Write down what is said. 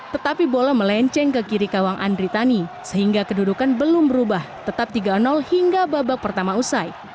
tetapi bola melenceng ke kiri kawang andritani sehingga kedudukan belum berubah tetap tiga hingga babak pertama usai